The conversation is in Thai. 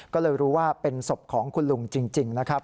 ก็เลยรู้ว่าเป็นศพของคุณลุงจริงนะครับ